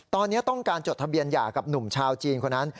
ตอนนี้ต้องการจดทะเบียนหย่ากับหนุ่มชาวจีนคนนั้น